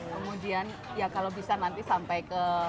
kemudian ya kalau bisa nanti sampai ke